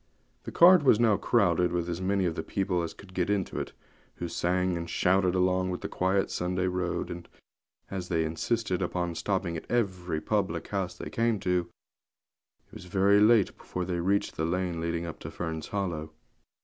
The cart was now crowded with as many of the people as could get into it, who sang and shouted along the quiet Sunday road; and, as they insisted upon stopping at every public house they came to, it was very late before they reached the lane leading up to Fern's Hollow.